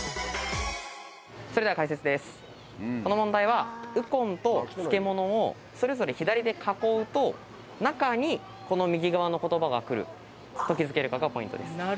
この問題は「ウコン」と「漬物」をそれぞれ左で囲うと中にこの右側の言葉がくると気付けるかがポイントです。